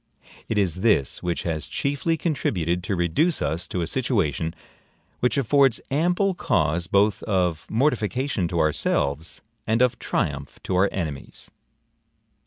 It is this which has chiefly contributed to reduce us to a situation, which affords ample cause both of mortification to ourselves, and of triumph to our enemies.